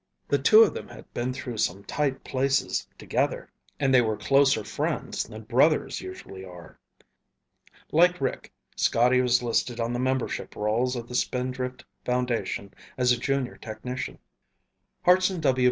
The two of them had been through some tight places together and they were closer friends than brothers usually are. Like Rick, Scotty was listed on the membership rolls of the Spindrift Foundation as a junior technician. Hartson W.